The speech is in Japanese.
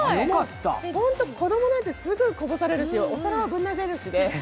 子供なんてすぐこぼされるし、お皿はぶん投げるしで。